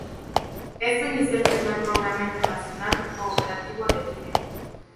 Esto inició el primer programa internacional cooperativo de cría.